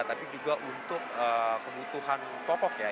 tapi juga untuk kebutuhan pokok ya